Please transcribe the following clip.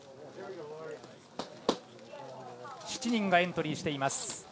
７人がエントリーしています。